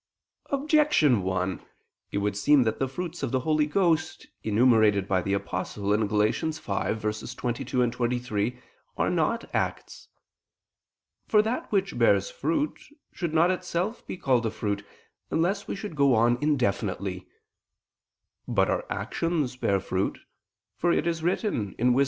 Objection 1: It would seem that the fruits of the Holy Ghost, enumerated by the Apostle (Gal. 5:22, 23), are not acts. For that which bears fruit, should not itself be called a fruit, else we should go on indefinitely. But our actions bear fruit: for it is written (Wis.